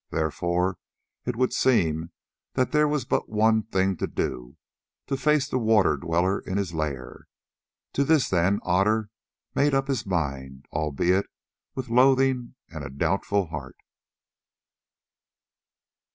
Therefore, it would seem that there was but one thing to do—to face the Water Dweller in his lair. To this, then, Otter made up his mind, albeit with loathing and a doubtful heart.